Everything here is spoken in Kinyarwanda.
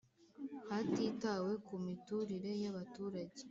Hatitawe ku miturire y abaturage